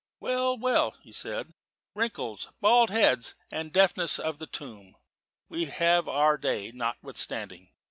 "Well, well," he said, "wrinkles, bald heads, and the deafness of the tomb we have our day notwithstanding.